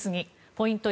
ポイント